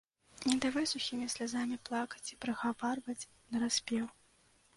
І давай сухімі слязамі плакаць і прыгаварваць нараспеў.